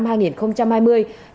chiếm hoạt tài sản